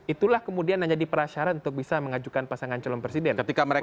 itulah kemudian yang jadi perasyaran untuk bisa mengajukan pasangan calon presiden